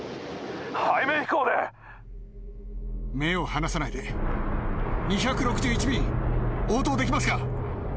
背面飛行で目を離さないで２６１便応答できますか？